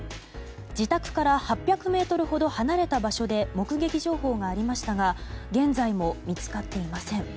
自宅から８００ｍほど離れた場所で目撃情報がありましたが現在も見つかっていません。